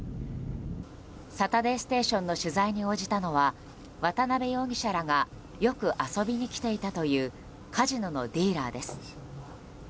「サタデーステーション」の取材に応じたのは渡邉容疑者らがよく遊びに来ていたというカジノのディーラーです。